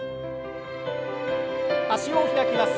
脚を開きます。